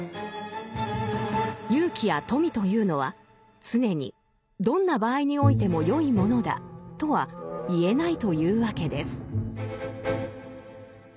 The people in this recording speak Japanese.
勇気や富というのは常にどんな場合においても善いものだとは言えないというわけです。